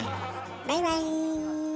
バイバイ。